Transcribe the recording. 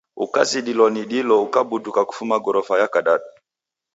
Ukazidilwa ni dilo ukabuduka kufuma gorofa ya kadadu.